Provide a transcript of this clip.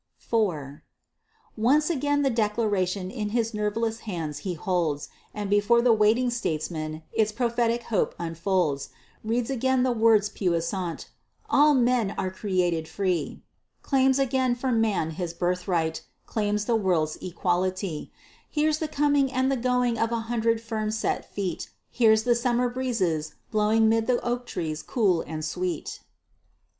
IV Once again the Declaration in his nerveless hands he holds, And before the waiting statesmen its prophetic hope unfolds, Reads again the words puissant, "All men are created free," Claims again for man his birthright, claims the world's equality; Hears the coming and the going of an hundred firm set feet, Hears the summer breezes blowing 'mid the oak trees cool and sweet.